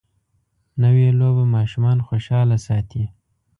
نوې لوبه ماشومان خوشحاله ساتي